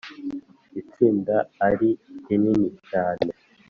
Itsinda ari rinini cyane